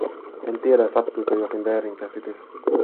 En tiedä, sattuiko jokin väärinkäsitys.